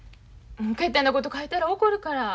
けったいなこと書いたら怒るから。